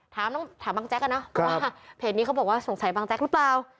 ต้องถามบางแจ๊กอะเนาะว่าเพจนี้เขาบอกว่าสงสัยบางแจ๊กหรือเปล่า